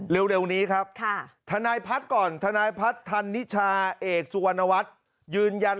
เร็วนี้ครับทนายพัฒน์ก่อนทนายพัฒน์ธันนิชาเอกสุวรรณวัฒน์ยืนยัน